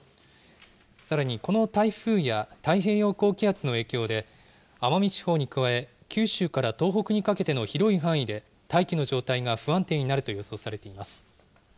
さらに、この台風や太平洋高気圧の影響で、奄美地方に加え、九州から東北にかけての広い範囲で、大気の状態が不安定になると予想されています。